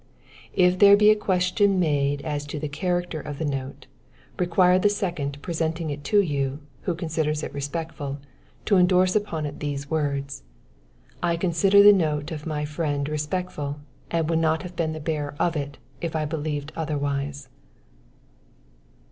If there be a question made as to the character of the note, require the second presenting it to you, who considers it respectful, to endorse upon it these words: "I consider the note of my friend respectful, and would not have been the bearer of it, if I believed otherwise."